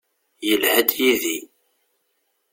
Yelha-d yid-i.